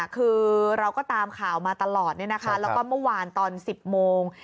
คือเราก็ตามข่าวมาตลอดแล้วก็เมื่อวานตอน๑๐โมง